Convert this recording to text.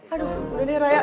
aduh udah deh raya